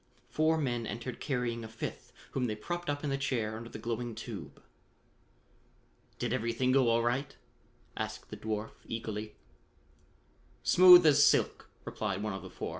Four men entered carrying a fifth whom they propped up in the chair under the glowing tube. "Did everything go all right?" asked the dwarf eagerly. "Smooth as silk," replied one of the four.